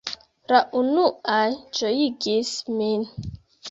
La unuaj ĝojigis min.